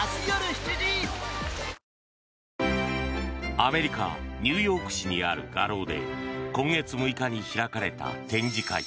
アメリカ・ニューヨーク市にある画廊で今月６日に開かれた展示会。